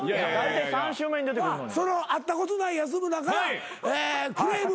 その会ったことない安村からクレーム。